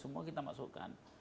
semua kita masukkan